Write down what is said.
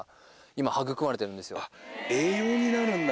栄養になるんだ。